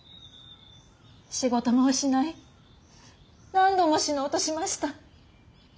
仕事も失い何度も死のうとしました。